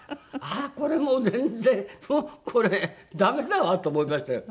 あっこれもう全然もうこれダメだわと思いましたよ。